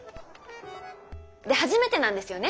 で初めてなんですよね